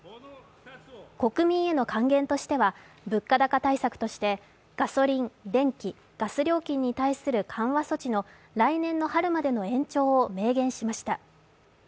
国民への還元としては物価高対策としてガソリン、電気、ガス料金に対する緩和措置の来年の春までの延長を明言しました。